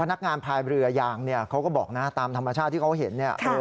พนักงานภายเรือยางก็บอกตามธรรมชาติที่เขาเห็น